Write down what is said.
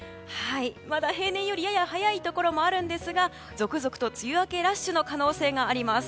まだ平年よりやや早いところもあるんですが続々と梅雨明けラッシュの可能性があります。